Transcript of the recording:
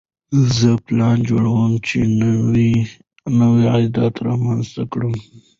زه پلان جوړوم چې نوی عادت رامنځته کړم.